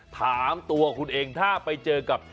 ถามตัวคุณเองถ้าไปเจอกับ